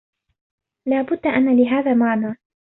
لا بد أن لهذا معنى.